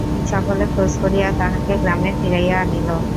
সকলে খোঁজ করিয়া তাহাকে গ্রামে ফিরাইয়া আনিল।